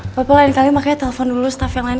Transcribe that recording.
apa apa lain kali makanya telpon dulu staff yang lain